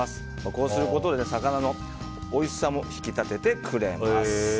こうすることで魚のおいしさも引き立ててくれます。